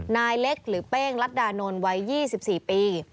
นายเล็กหรือเป้งรัฐดานนท์วัย๒๔ปี